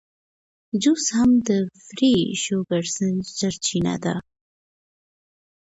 جوس هم د فري شوګر سرچینه ده.